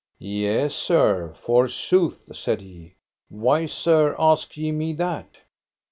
Yea, sir, forsooth, said he; why, sir, ask ye me that?